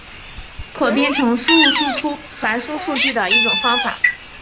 可编程输入输出传输数据的一种方法。